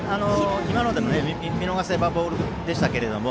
今ので見逃せばボールでしたけども。